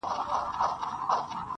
دا وطن دی د رنځورو او خوږمنو-